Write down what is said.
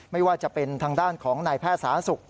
ไม่ว่าจะเป็นทางด้านของนายแพทย์สาธารณสุข